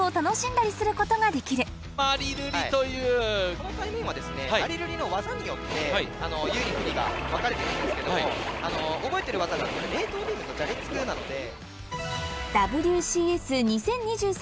この対面はですねマリルリの技によって有利不利が分かれてくるんですけども覚えてる技がれいとうビームとじゃれつくなので。